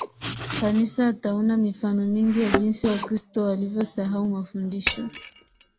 Kanisa ataona mifano mingi ya jinsi Wakristo walivyosahau mafundisho